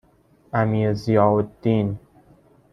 امیرضیاءالدین